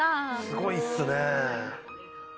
すごいっすね。